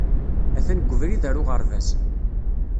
A-t-an deg ubrid ar uɣerbaz.